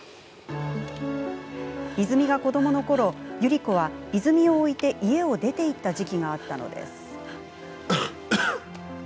泉が子どものころ、百合子は泉を置いて、家を出て行った時期があったのです。